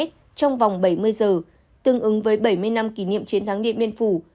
trong vòng bảy mươi giờ tương ứng với bảy mươi năm kỷ niệm chiến thắng điện biên phủ